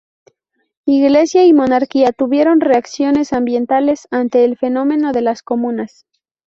Iglesia y monarquía tuvieron reacciones ambivalentes ante el fenómeno de las comunas.